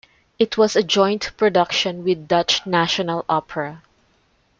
It was a joint production with Dutch National Opera.